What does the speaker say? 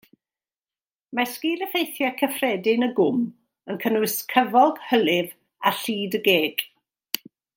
Mae sgil-effeithiau cyffredin y gwm yn cynnwys cyfog, hylif, a llid y geg.